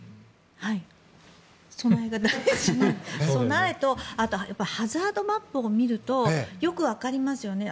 備えとあとハザードマップを見るとよく分かりますよね。